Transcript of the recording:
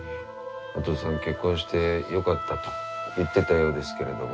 弟さん結婚してよかったと言ってたようですけれども。